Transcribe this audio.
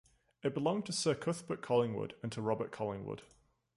It belonged to Sir Cuthbert Collingwood; and to Robert Collingwood.